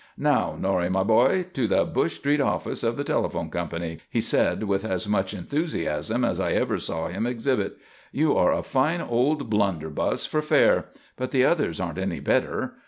"Now, Norrie, my boy, to the Bush Street office of the telephone company," he said with as much enthusiasm as I ever saw him exhibit. "You are a fine old blunderbuss for fair! But the others aren't any better.